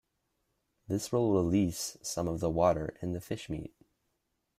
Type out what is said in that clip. This will "release" some of the water in the fish meat.